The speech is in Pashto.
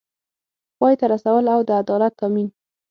پای ته رسول او د عدالت تامین